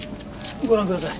ご覧ください。